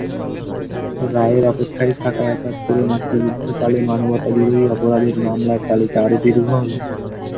রায়ের অপেক্ষায় থাকা একাত্তরে মুক্তিযুদ্ধকালে মানবতাবিরোধী অপরাধের মামলার তালিকা আরও দীর্ঘ হলো।